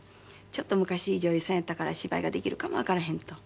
「ちょっと昔女優さんやったから芝居ができるかもわからへん」と。